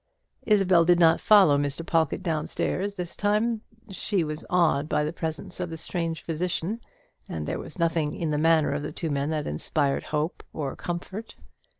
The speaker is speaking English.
Isabel did not follow Mr. Pawlkatt down stairs this time. She was awed by the presence of the strange physician, and there was nothing in the manner of the two men that inspired hope or comfort.